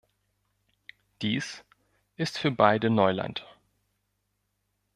Dies ist für beide Neuland.